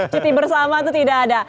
cuti bersama itu tidak ada